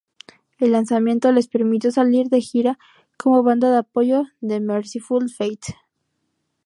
El lanzamiento les permitió salir de gira como banda de apoyo de Mercyful Fate.